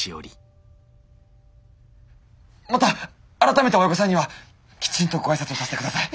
また改めて親御さんにはきちんとご挨拶をさせて下さい。